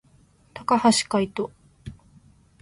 高橋海人